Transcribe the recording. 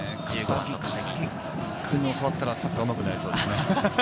笠置君に教わったら、サッカーうまくなれそうですね。